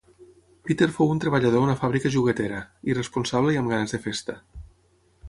Peter fou un treballador a una fàbrica joguetera, irresponsable i amb ganes de festa.